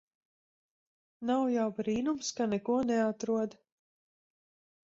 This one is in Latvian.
Nav jau brīnums ka neko neatrod.